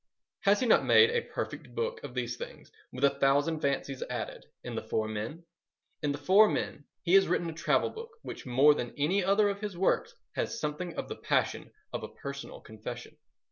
Has he not made a perfect book of these things, with a thousand fancies added, in The Four Men? In The Four Men he has written a travel book which more than any other of his works has something of the passion of a personal confession.